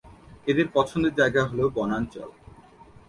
এদের পছন্দের জায়গা হল বনাঞ্চল।